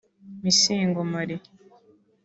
Misingo Marie